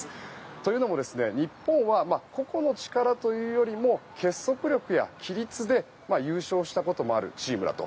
というのも日本は、個々の力というよりも結束力や規律で優勝したこともあるチームだと。